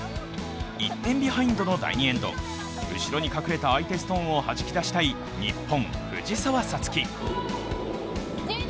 １点ビハインドの第２エンド、後ろに隠れた相手ストーンをはじき出したい日本・藤澤五月。